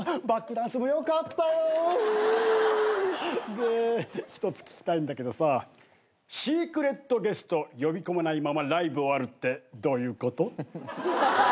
で１つ聞きたいんだけどさシークレットゲスト呼び込まないままライブ終わるってどういうこと？